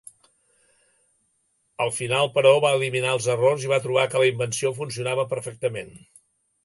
Al final, però, va eliminar els errors i va trobar que la invenció funcionava perfectament.